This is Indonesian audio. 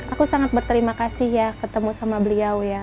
aku sangat berterima kasih ya ketemu sama beliau ya